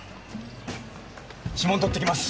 指紋採ってきます。